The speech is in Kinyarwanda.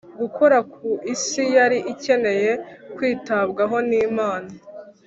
gukora ku isi yari ikeneye kwitabwaho n'imana.